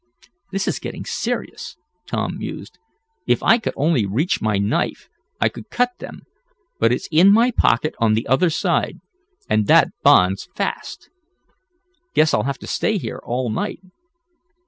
"This is getting serious," Tom mused. "If I could only reach my knife I could cut them, but it's in my pocket on the other side, and that bond's fast. Guess I'll have to stay here all night.